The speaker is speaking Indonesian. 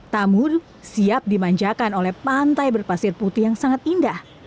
tamur siap dimanjakan oleh pantai berpasir putih yang sangat indah